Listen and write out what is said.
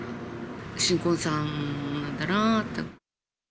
新婚さんなんだなと思って。